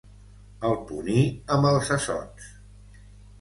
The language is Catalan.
El puní amb els assots.